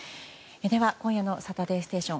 今夜の「サタデーステーション」